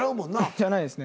じゃないですね。